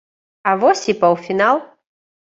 А вось і паўфінал.